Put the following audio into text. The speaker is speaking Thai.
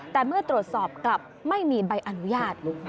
แต่เมื่อตรวจสอบกลับไม่มีใบอนุญาต